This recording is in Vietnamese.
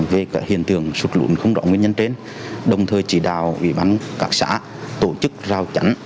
về hiện tượng sụt lún không rõ nguyên nhân trên đồng thời chỉ đào quỹ bán các xã tổ chức rào chắn